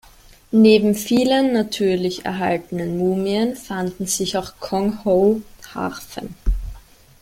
Neben vielen natürlich erhaltenen Mumien fanden sich auch Konghou-Harfen.